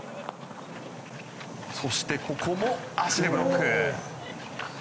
そしてここも足でブロック。